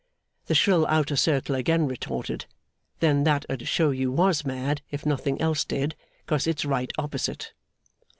The shrill outer circle again retorted, 'Then that 'ud show you was mad if nothing else did, 'cause it's right opposite!